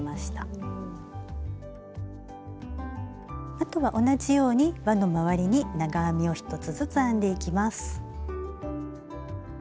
あとは同じようにわのまわりに長編みを１つずつ編んでいきます。